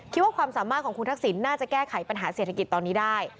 คิดว่าความสามารถของคุณทักษิณน่าจะแก้ไขปัญหาเศรษฐกิจตอนนี้ได้